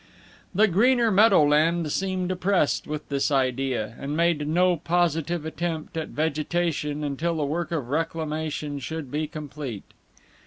The greener meadowland seemed oppressed with this idea, and made no positive attempt at vegetation until the work of reclamation should be complete.